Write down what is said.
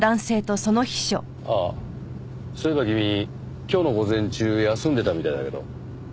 ああそういえば君今日の午前中休んでたみたいだけど。